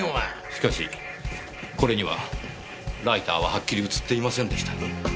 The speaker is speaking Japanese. しかしこれにはライターははっきり映っていませんでしたよ。